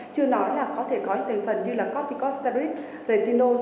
chưa nói là có thể có những thành phần như là corticosteroids retinol